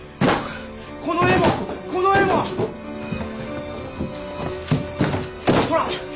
この絵もこの絵も。ほら！